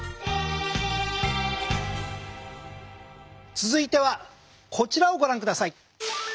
続いてはこちらをご覧下さい。